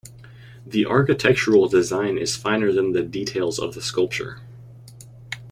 The architectural design is finer than the details of the sculpture.